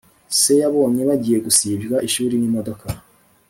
Se yabonye bagiye gusibywa ishuri n’ imodoka